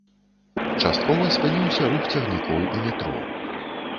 Часткова спыніўся рух цягнікоў у метро.